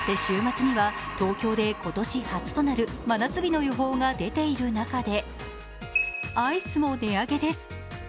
そして週末には東京で今年初となる真夏日の予報が出ている中でアイスも値上げです。